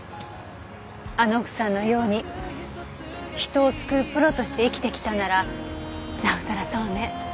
あの奥さんのように人を救うプロとして生きてきたならなおさらそうね。